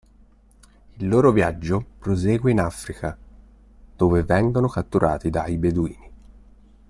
Il loro viaggio prosegue in Africa, dove vengono catturati dai Beduini.